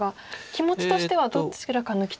気持ちとしてはどちらか抜きたい？